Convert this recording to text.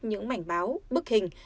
những mảnh báo bức hình